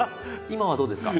今はどうですか？